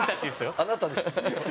あなたですよ。